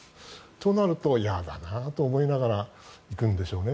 となると、嫌だなと思いながら行くんでしょうね。